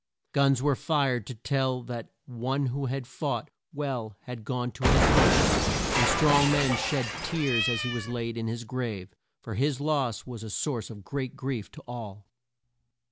Guns were fired to tell that one who had fought well had gone to his rest, and strong men shed tears as he was laid in his grave, for his loss was a source of great grief to all.